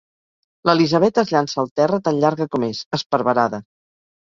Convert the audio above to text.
L'Elisabet es llança al terra tan llarga com és, esparverada.